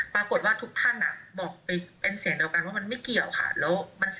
ปรากฏว่าทุกท่านบอกไปเป็นเสียงเดียวกันว่ามันไม่เกี่ยวค่ะ